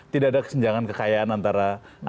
tidak ada kesenjangan kekayaan antara